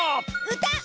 うた！